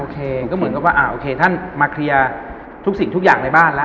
ก็เหมือนกับว่าโอเคท่านมาเคลียร์ทุกสิ่งทุกอย่างในบ้านแล้ว